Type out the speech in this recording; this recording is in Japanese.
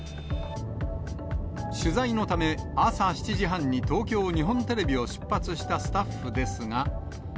取材のため、朝７時半に東京・日本テレビを出発したスタッフですが。